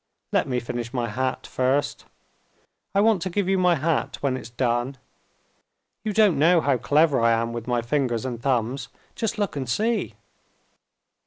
Let me finish my hat first. I want to give you my hat when it's done. You don't know how clever I am with my fingers and thumbs. Just look and see!"